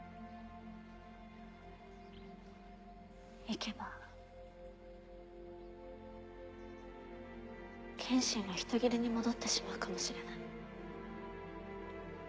行けば剣心は人斬りに戻ってしまうかもしれない。